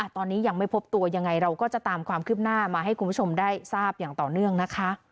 ตอนนี้ยังไม่พบตัวยังไงเราก็จะตามความคืบหน้ามาให้คุณผู้ชมได้ทราบอย่างต่อเนื่องนะคะ